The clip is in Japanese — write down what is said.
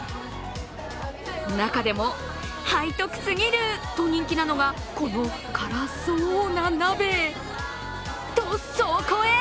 中でも、背徳すぎると人気なのがこの辛そうな鍋。